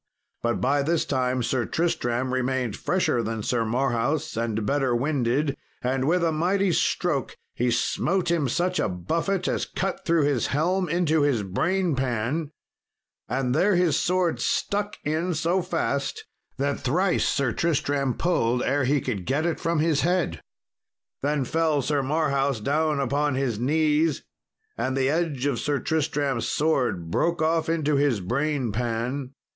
But by this time Sir Tristram remained fresher than Sir Marhaus and better winded, and with a mighty stroke he smote him such a buffet as cut through his helm into his brain pan, and there his sword stuck in so fast that thrice Sir Tristram pulled ere he could get it from his head. Then fell Sir Marhaus down upon his knees, and the edge of Sir Tristram's sword broke off into his brain pan.